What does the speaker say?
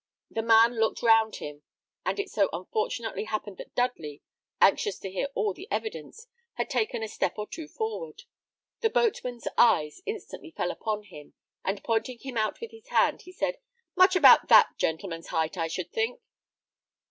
The man looked round him, and it so unfortunately happened that Dudley, anxious to hear all the evidence, had taken a step or two forward. The boatman's eyes instantly fell upon him, and pointing him out with his hand, he said, "Much about that gentleman's height, I should think."